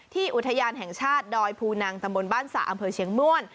อุทยานแห่งชาติดอยภูนังตำบลบ้านสระอำเภอเชียงม่วน